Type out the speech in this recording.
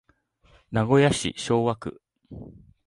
名古屋市昭和区